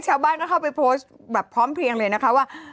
ชาวบ้านก็เข้าไปโพสต์แบบพร้อมเพลียงเลยนะคะว่า